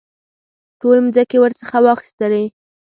ټولې مځکې ورڅخه واخیستلې.